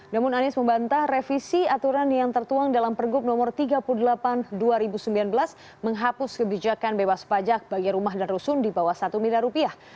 namun anies membantah revisi aturan yang tertuang dalam pergub nomor tiga puluh delapan dua ribu sembilan belas menghapus kebijakan bebas pajak bagi rumah dan rusun di bawah satu miliar rupiah